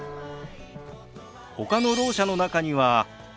ほかのろう者の中には。